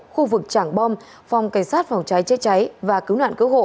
khu vực trảng bom phòng cảnh sát phòng cháy chế cháy và cứu nạn cứu hộ